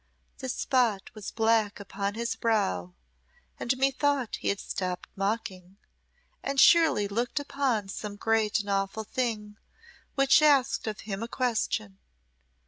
"The spot was black upon his brow and methought he had stopped mocking, and surely looked upon some great and awful thing which asked of him a question.